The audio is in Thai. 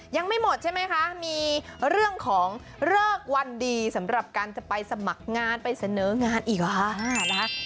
ยังไม่หมดใช่ไหมคะมีเรื่องของเลิกวันดีสำหรับการจะไปสมัครงานไปเสนองานอีกหรอคะนะคะ